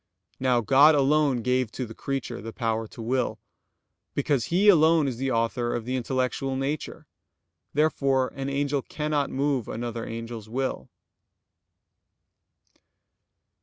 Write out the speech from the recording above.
Now God alone gave to the creature the power to will, because He alone is the author of the intellectual nature. Therefore an angel cannot move another angel's will.